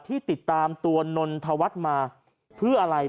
ที่ติดตามตัวนนทวัฒน์มาเพื่ออะไร